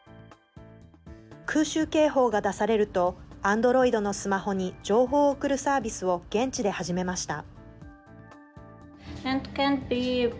空襲警報が出されるとアンドロイドのスマホに情報を送るサービスを現地で始めました。